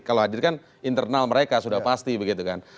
kalau hadir kan internal mereka sudah pasti begitu kan